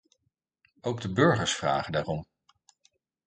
Ook de burgers vragen daarom.